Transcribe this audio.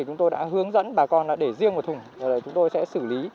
chúng tôi đã hướng dẫn bà con để riêng một thùng rồi chúng tôi sẽ xử lý